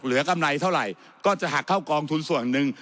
กำไรเท่าไหร่ก็จะหักเข้ากองทุนส่วนหนึ่ง